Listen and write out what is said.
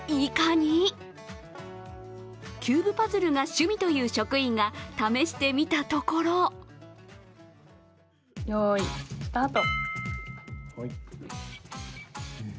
パズルが趣味という職員が試してみたところよーい、スタート。